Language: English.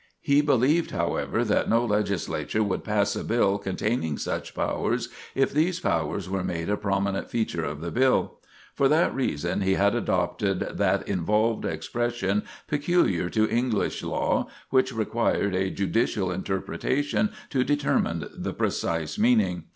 He believed, however, that no legislature would pass a bill containing such powers if these powers were made a prominent feature of the bill. For that reason he had adopted that involved expression peculiar to English law which required a judicial interpretation to determine the precise meaning.